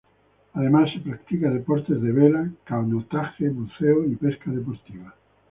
Además se practica deportes de vela, canotaje, buceo y pesca deportiva.